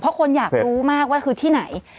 เพราะคนอยากรู้มากว่าคือที่ไหน